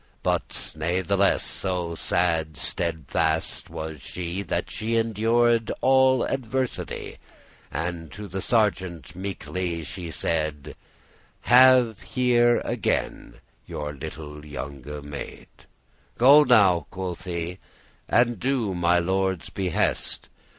But natheless so sad steadfast was she, That she endured all adversity, And to the sergeant meekely she said, "Have here again your little younge maid. "Go now," quoth she, "and do my lord's behest.